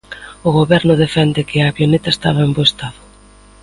O Goberno defende que a avioneta estaba en bo estado.